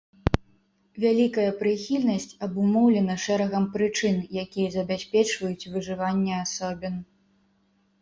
Вялікая прыхільнасць абумоўлена шэрагам прычын, якія забяспечваюць выжыванне асобін.